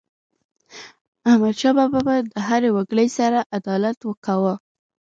احمدشاه بابا به د هر وګړي سره عدالت کاوه.